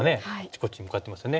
こっち向かってますよね。